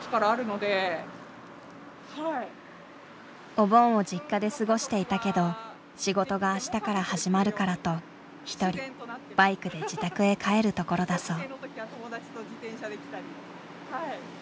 お盆を実家で過ごしていたけど仕事があしたから始まるからと一人バイクで自宅へ帰るところだそう。